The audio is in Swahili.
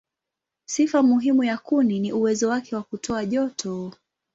Sifa muhimu ya kuni ni uwezo wake wa kutoa joto.